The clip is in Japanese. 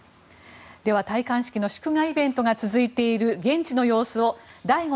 戴冠式の祝賀イベントが続いている現地の様子を醍醐